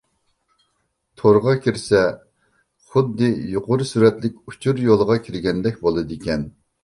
تورغا كىرسە، خۇددى يۇقىرى سۈرئەتلىك ئۇچۇر يولىغا كىرگەندەك بولىدىكەن.